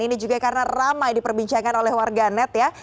ini juga karena ramai diperbincangkan oleh warga net ya